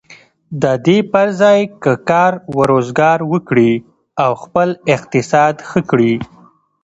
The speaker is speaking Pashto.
د دې پر ځای که کار و روزګار وکړي او خپل اقتصاد ښه کړي.